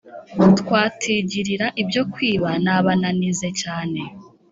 Twatigirira ibyo kwiba nabananize cyane”.